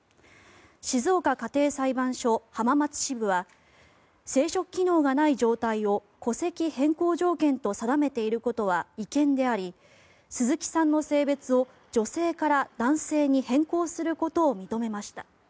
静岡家庭裁判所浜松支部は生殖機能がない状態を戸籍変更条件と定めていることは違憲であり鈴木さんの性別を女性から男性に変更することを認めました。